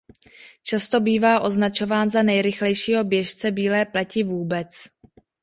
Často bývá označován za nejrychlejšího běžce bílé pleti vůbec.